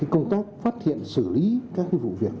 công tác phát hiện xử lý các vụ việc